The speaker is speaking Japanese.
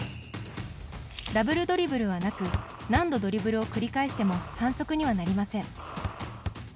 ダブルドリブルはなく何度ドリブルを繰り返しても反則にはなりません。